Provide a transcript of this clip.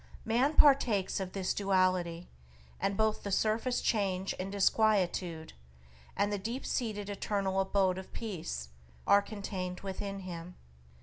Man partakes of this duality, and both the surface change and disquietude, and the deep seated eternal abode of Peace, are contained within him.